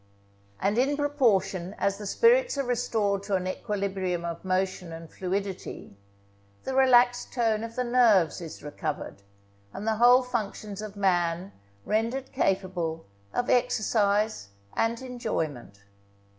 And in proportion as the spirits are restored to an equilibrium of motion and fluidity, the relaxed tone of the nerves is recovered, and the whole functions of man rendered capable of exercise and enjoyment.